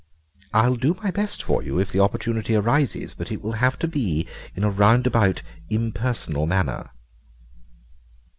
I'll do my best for you, if the opportunity arises, but it will have to be in a roundabout, impersonal manner."